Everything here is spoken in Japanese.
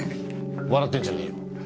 笑ってんじゃねえよ。